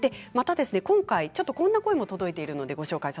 今回、こんな声が届いています。